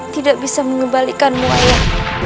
tidak bisa mengembalikanmu ayah